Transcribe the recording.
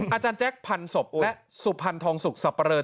อาจารย์แจ๊คพันธุ์ศพและศุพพันธองศุกร์สัปปะเรอร์